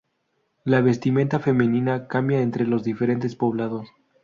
La vestimenta femenina cambia entre los diferentes poblados.